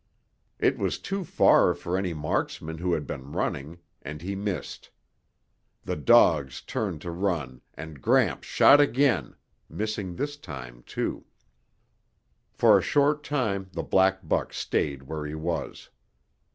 It was too far for any marksman who had been running, and he missed. The dogs turned to run and Gramps shot again, missing this time, too. For a short time the black buck stayed where he was.